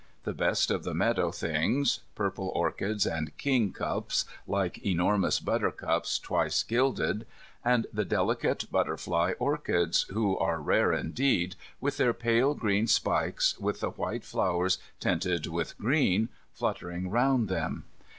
The best of the meadow things, purple orchids, and kingcups, like enormous buttercups twice gilded, and the delicate butterfly orchids, who are rare indeed, with their pale green spikes, with the white flowers tinted with green, fluttering round them.